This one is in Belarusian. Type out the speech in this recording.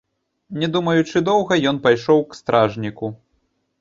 Не думаючы доўга, ён пайшоў к стражніку.